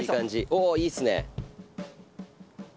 おおいいっすね。